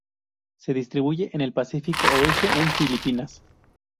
Se distribuye en el Pacífico oeste, en Filipinas.